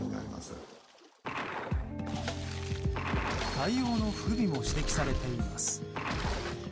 対応の不備も指摘されています。